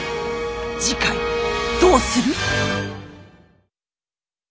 次回どうする？